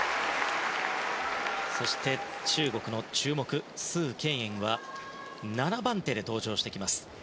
そして中国の注目スウ・ケイエンは７番手で登場してきます。